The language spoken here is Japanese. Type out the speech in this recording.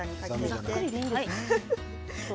ざっくりでいいんですね。